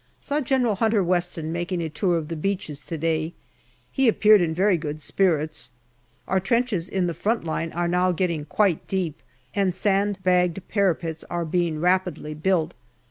Saw General Hunter Weston making a tour of the beaches to day. He appeared in very good spirits. Our trenches in the front line are now getting quite deep, and sand bagged parapets are being rapidly built.